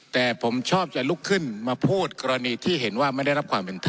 แต่ผมชอบจะลุกขึ้นมาพูดกรณีที่เห็นว่าไม่ได้รับความเป็นธรรม